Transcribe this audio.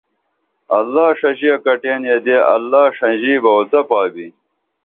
اللہ ݜژی اکٹین یدے اللہ ݜژیں بہ اوڅپا بی